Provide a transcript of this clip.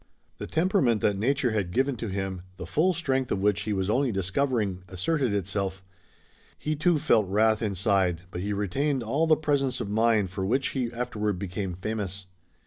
The temperament that nature had given to him, the full strength of which he was only discovering, asserted itself. He too felt wrath inside, but he retained all the presence of mind for which he afterward became famous.